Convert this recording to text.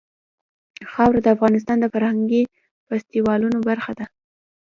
خاوره د افغانستان د فرهنګي فستیوالونو برخه ده.